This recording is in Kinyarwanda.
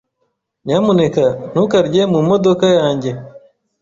Nyamuneka ntukarye mu modoka yanjye.